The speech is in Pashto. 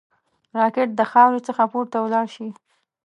راکټ د خاورې څخه پورته ولاړ شي